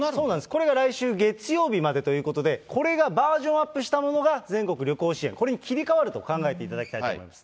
これが来週月曜日までということで、これがバージョンアップしたものが全国旅行支援、これに切り替わると考えていただきたいと思います。